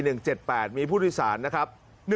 นกแอร์นะครับเมื่อเที่ยวบินดี๑๗๘มีผู้โดยสารนะครับ